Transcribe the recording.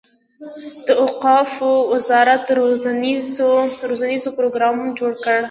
د اوقافو وزارت روزنیز پروګرام جوړ کړي.